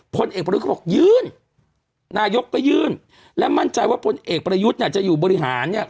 พลเอกประยุทธ์เขาบอกยื่นนายกก็ยื่นและมั่นใจว่าพลเอกประยุทธ์เนี่ยจะอยู่บริหารเนี่ย